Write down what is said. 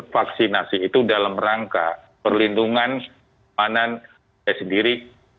vaksinasi itu dalam rangka perlindungan keamanan sendiri